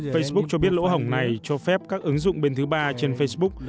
facebook cho biết lỗ hổng này cho phép các ứng dụng bên thứ ba trên facebook